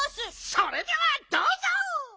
それではどうぞ！